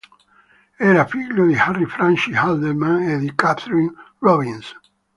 Era figlio di Harry Francis Haldeman e di Katherine Robbins.